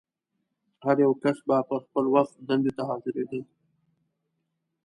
هر یو کس به پر خپل وخت دندې ته حاضرېده.